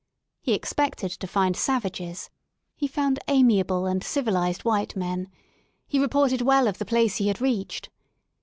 He expected to find savages, he found amiable and civilised white men; he reported well of the place he had reached.